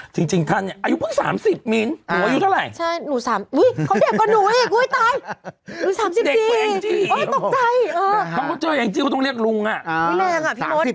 เชื่อก็บอกว่าจริงท่านนี่อายุเพิ่ง๓๐มิ้น